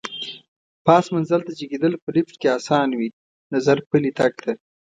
پاس منزل ته جګېدل په لېفټ کې اسان وي، نظر پلي تګ ته.